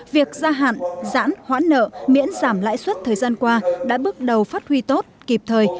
việc gia hạn giãn hoãn nợ miễn giảm lãi suất thời gian qua đã bước đầu phát huy tốt kịp thời